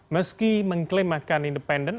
meski mengklaim akan independen